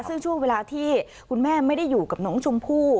ซึ่งช่วงเวลาที่คุณแม่ไม่ได้อยู่กับน้องชมพู่